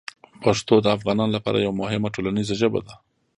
پښتو د افغانانو لپاره یوه مهمه ټولنیزه ژبه ده.